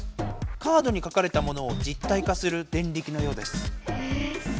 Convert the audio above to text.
カードに描かれたものを実体化するデンリキのようです。